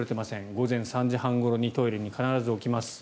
午前３時半ごろにトイレに必ず起きます。